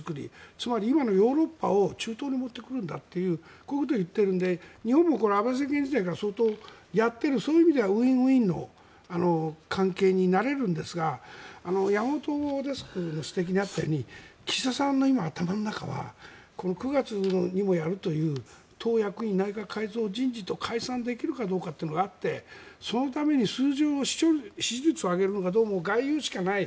つまり今のヨーロッパを中東に持ってくるんだというこういうことを言っているので日本も安倍政権時代からやっているそういう意味ではウィンウィンの関係になれるんですが山本デスクの指摘にあったように岸田さんの頭の中は９月にもやるという党役員人事解散できるかどうかというのがあって、そのために支持率を上げるのがどうも外遊しかない。